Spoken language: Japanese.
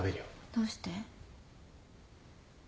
どうして？